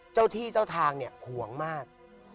เจ้าที่เจ้าทางเนี่ยห่วงมาก